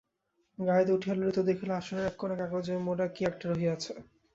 গাড়িতে উঠিয়া ললিতা দেখিল আসনের এক কোণে কাগজে মোড়া কী-একটা রহিয়াছে।